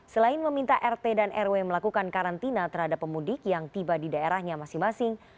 selain meminta rt dan rw melakukan karantina terhadap pemudik yang tiba di daerahnya masing masing